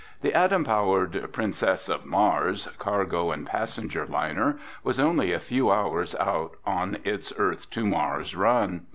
The atom powered Princess of Mars, cargo and passenger liner, was only a few hours out on its Earth to Mars run.